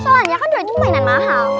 soalnya kan drone itu mainan mahal